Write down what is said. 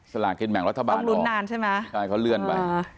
สลานกินแหม่งรัฐบาลอองรุนนานใช่ไหมอองรุนนานเขาเลื่อนไป